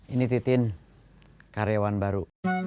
ini titin karyawan baru